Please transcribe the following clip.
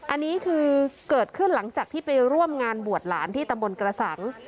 อันนี้คือเกิดขึ้นหลังจากที่ไปร่วมงานบวชหลานที่ตำบลกระสัง